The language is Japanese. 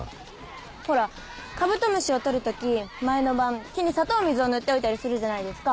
ほらカブトムシを捕る時前の晩木に砂糖水を塗っておいたりするじゃないですか